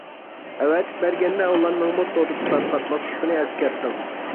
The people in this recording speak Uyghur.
ئەۋەتىپ بەرگەندە ئۇلارنىڭمۇ توردا تارقاتماسلىقىنى ئەسكەرتىڭ.